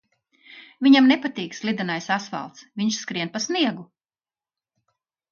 Viņam nepatīk slidenais asfalts, viņš skrien pa sniegu.